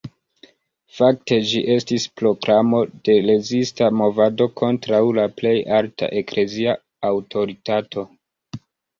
Fakte ĝi estis proklamo de rezista movado kontraŭ la plej alta eklezia aŭtoritato.